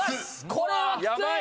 これはきつい！